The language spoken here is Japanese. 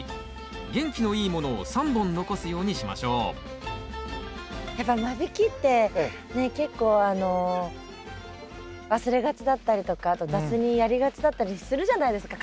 元気のいいものを３本残すようにしましょうやっぱ間引きって結構忘れがちだったりとかあと雑にやりがちだったりするじゃないですか簡単なので。